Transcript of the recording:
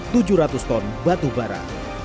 tujuh ratus ton batubara